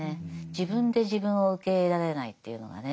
自分で自分を受け入れられないというのがね。